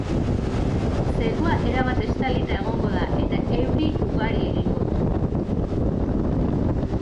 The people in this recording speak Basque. Zerua erabat estalita egongo da, eta euri ugari egingo du.